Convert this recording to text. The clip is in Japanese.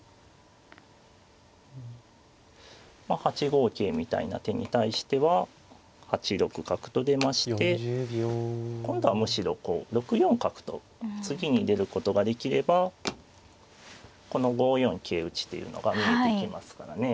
８五桂みたいな手に対しては８六角と出まして今度はむしろ６四角と次に出ることができればこの５四桂打っていうのが見えてきますからね。